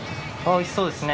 美味しそうですね。